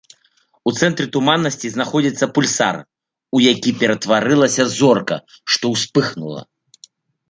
У цэнтры туманнасці знаходзіцца пульсар, у які ператварылася зорка, што ўспыхнула.